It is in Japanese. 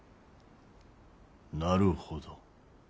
なるほど。